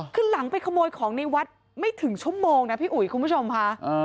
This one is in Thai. คือหลังไปขโมยของในวัดไม่ถึงชั่วโมงนะพี่อุ๋ยคุณผู้ชมค่ะ